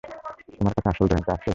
তোমার কাছে আসল ড্রয়িংটা আছে?